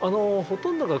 ほとんどが